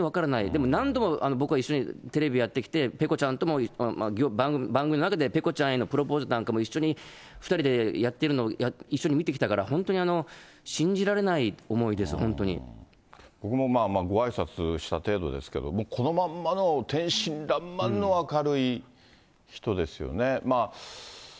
でも何度も僕は一緒にテレビやってきて、ペコちゃんとも、番組の中でペコちゃんへのプロポーズなんかも一緒に、２人でやってるの、一緒に見てきたから、本当に信じられない思いです、僕もまあまあ、ごあいさつした程度ですけど、このまんまの、天真らんまんの明るい人ですよね。